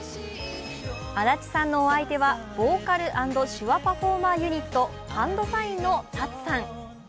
足立さんのお相手はボーカル＆手話パフォーマンスユニットＨＡＮＤＳＩＧＮのＴＡＴＳＵさん。